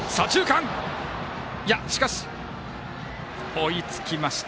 追いつきました